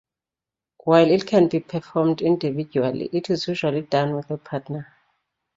While it can be performed individually, it is usually done with a partner.